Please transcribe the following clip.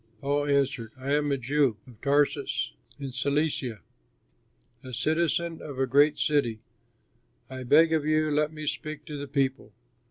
Paul answered, "I am a Jew, of Tarsus in Cilicia, a citizen of a great city. I beg of you, let me speak to the people."